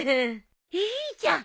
いいじゃん！